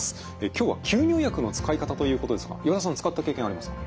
今日は吸入薬の使い方ということですが岩田さん使った経験ありますか？